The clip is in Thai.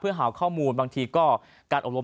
เพื่อหาข้อมูลบางทีก็